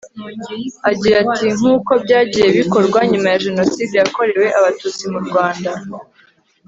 agira ati nk'uko byagiye bikorwa nyuma ya jenoside yakorewe abatutsi mu rwanda